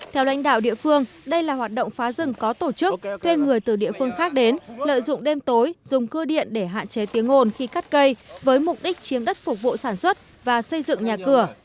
theo lãnh đạo địa phương đây là hoạt động phá rừng có tổ chức thuê người từ địa phương khác đến lợi dụng đêm tối dùng cưa điện để hạn chế tiếng ồn khi cắt cây với mục đích chiếm đất phục vụ sản xuất và xây dựng nhà cửa